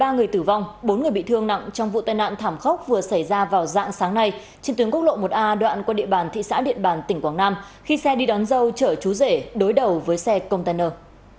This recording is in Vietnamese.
ba người tử vong bốn người bị thương nặng trong vụ tai nạn thảm khốc vừa xảy ra vào dạng sáng nay trên tuyến quốc lộ một a đoạn qua địa bàn thị xã điện bàn tỉnh quảng nam khi xe đi đón dâu chở chú rể đối đầu với xe container